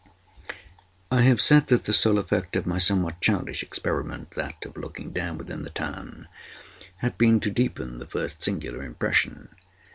I have said that the sole effect of my somewhat childish experiment—that of looking down within the tarn—had been to deepen the first singular impression.